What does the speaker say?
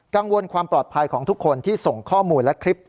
กังวลความปลอดภัยของทุกคนที่ส่งข้อมูลและคลิป